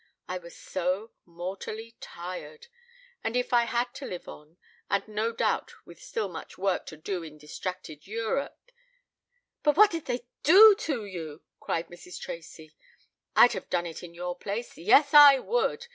I was so mortally tired! And if I had to live on, and no doubt with still much work to do in distracted Europe " "But what did they do to you?" cried Mrs. Tracy. "I'd have done it in your place yes, I would!"